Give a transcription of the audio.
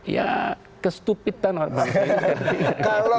ya kestupitan orang orang